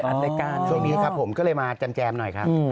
นั่งอัดรายการโชคดีครับผมก็เลยมาแจมหน่อยครับ